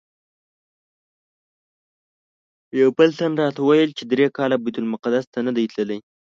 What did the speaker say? یو بل تن راته ویل چې درې کاله بیت المقدس ته نه دی تللی.